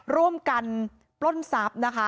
ร่วมกันปล้นทรัพย์นะคะ